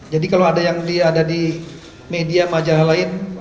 jadi kalau ada yang ada di media majalah lain